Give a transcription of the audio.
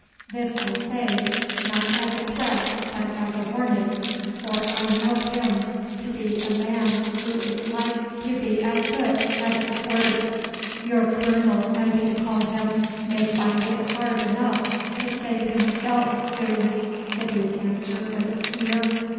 This I say, not as a threat, but as a warning, for I know him to be a man who is like to be as good as his word.' 'Your Colonel, as you call him, may find it hard enough to save himself soon,' the Duke answered with a sneer.